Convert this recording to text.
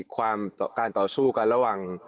การต่อสู้กันระหว่าง